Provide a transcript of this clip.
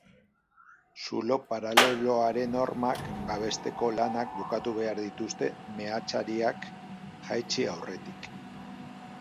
Zulo paraleloaren hormak babesteko lanak bukatu behar dituzte meatzariak jaitsi aurretik.